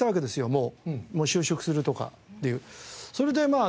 もう就職するとかっていうそれでまあ。